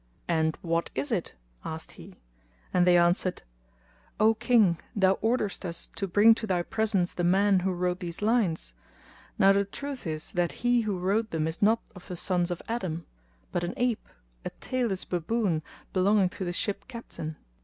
"And what is it?" asked he; and they answered, "O King, thou orderest us to bring to thy presence the man who wrote these lines; now the truth is that he who wrote them is not of the sons of Adam,[FN#237] but an ape, a tail less baboon, belonging to the ship captain."